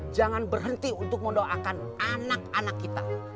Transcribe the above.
jangan berhenti untuk mendoakan anak anak kita